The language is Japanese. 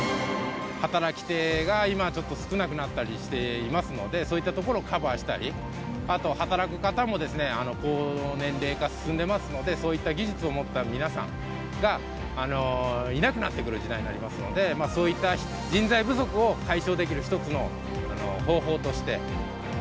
働き手が、今、ちょっと少なくなったりしていますので、そういったところをカバーしたり、あと、働く方も高年齢化、進んでますので、そういった技術を持った皆さんがいなくなってくる時代になりますので、そういった人材不足を解消できる一つの方法として。